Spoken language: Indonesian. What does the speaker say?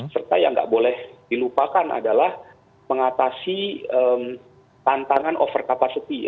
serta yang nggak boleh dilupakan adalah mengatasi tantangan over capacity